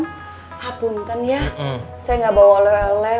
pak punten ya saya gak bawa leleh